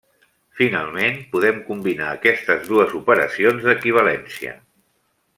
Finalment, podem combinar aquestes dues operacions d'equivalència.